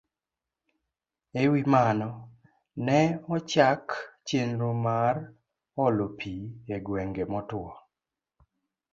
E wi mano, ne ochak chenro mar olo pi e gwenge motwo